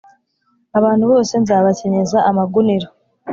abantu bose nzabakenyeza amagunira,